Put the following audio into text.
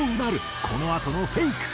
このあとのフェイク。